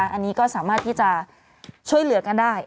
อันนี้ก็สามารถที่จะช่วยเหลือกันได้